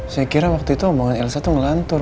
saya kira waktu itu omongan elsa tuh ngelantur